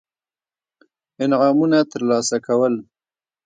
انعامونه ترلاسه کول.